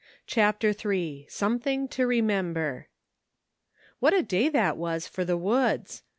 CHAPTER III. SOMETHING TO REMEMBER. TTTHAT a day that was for the woods!